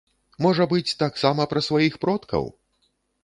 Можа быць, таксама пра сваіх продкаў?